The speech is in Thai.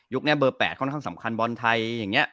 ยุคเนี่ยเบอร์๘ค่อนข้างสำคัญบอลไทยอย่างเงี้ย